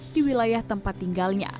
di wilayah tempat tinggalnya